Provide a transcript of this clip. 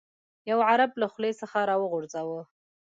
یو عرب له خولې څخه راوغورځاوه.